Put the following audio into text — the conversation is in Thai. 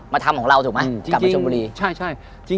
มาทำของเราถูกไหมกลับมาชนบุรี